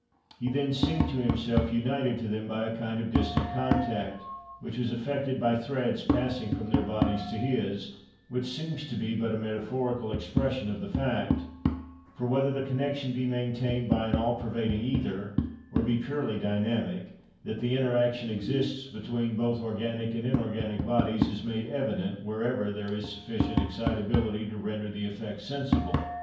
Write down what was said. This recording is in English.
He then seemed to himself united to them by a kind of distant contact, which was effected by threads passing from their bodies to his, which seems to be but a metaphorical expression of the fact; for, whether the connection be maintained by an all pervading ether, or be purely dynamic, that the intertraction exists between both organic and inorganic bodies, is made evident wherever there is sufficient excitability to render the effects sensible.